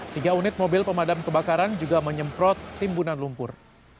tiga unit mobil pemadam kebakaran juga menyemprot timbunan lumpur